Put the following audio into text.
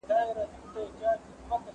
زه بايد انځورونه رسم کړم!!